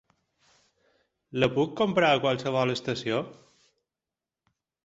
La puc comprar a qualsevol estació?